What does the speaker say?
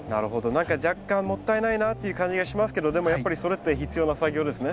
何か若干もったいないなっていう感じがしますけどでもやっぱりそれって必要な作業ですね。